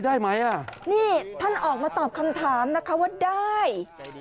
ได้ไหมอ่ะนี่ท่านออกมาตอบคำถามนะคะว่าได้